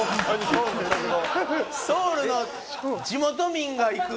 ソウルの地元民が行く。